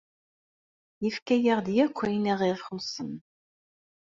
Yefka-yaɣ-d akk ayen i ɣ-ixuṣṣen.